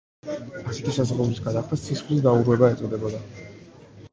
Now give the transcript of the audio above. ასეთი საზღაურის გადახდას „სისხლის დაურვება“ ეწოდებოდა.